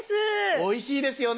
おいしいですよね